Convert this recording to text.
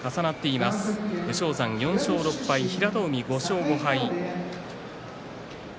武将山、４勝６敗平戸海、５勝５敗です。